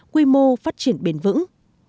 quy mô phát triển bền vững